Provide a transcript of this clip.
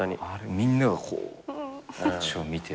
みんながこうこっちを見てるのが。